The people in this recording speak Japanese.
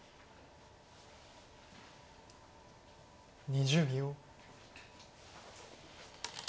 ２０秒。